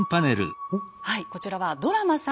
はいこちらはドラマ「西遊記」で。